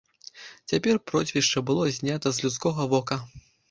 Цяпер прозвішча было знята з людскога вока.